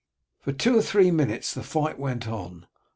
For two or three minutes the fight went on.